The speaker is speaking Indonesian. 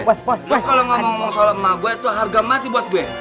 lu kalau ngomong soal emak gue itu harga mati buat gue